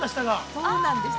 ◆そうなんです。